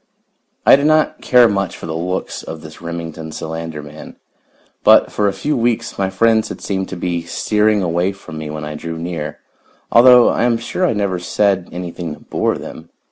I did not care much for the looks of this Remington Solander man, but for a few weeks my friends had seemed to be steering away from me when I drew near, although I am sure I never said anything to bore them.